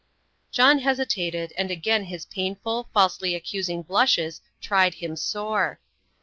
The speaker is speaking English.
John hesitated, and again his painful, falsely accusing blushes tried him sore.